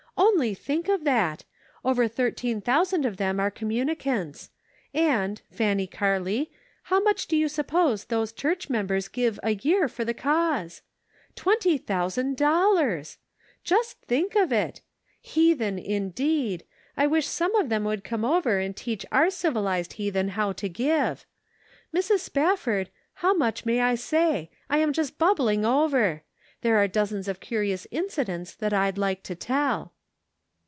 Only think of that! Over thirteen thousand of them are communicants ; and, Fanny Carley, how much do you suppose those church members give a year for the cause ? Twenty thousand dollars ! Just think of it ! Heathen, indeed ! I wish some of them would come over and teach our civilized heathen how to give. Mrs. Spafford, how much may I say ? I'm jnst bubbling over. There are dozens of curious incidents that I'd like to tell."